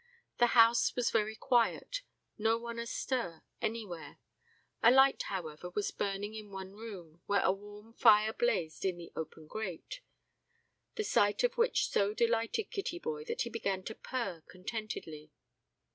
The house was very quiet, no one astir anywhere; a light, however, was burning in one room, where a warm fire blazed in the open grate, the sight of which so delighted Kittyboy that he began to purr contentedly.